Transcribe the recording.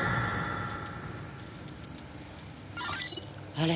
あれ！